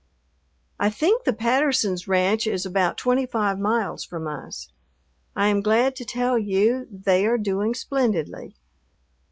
I think the Pattersons' ranch is about twenty five miles from us. I am glad to tell you they are doing splendidly.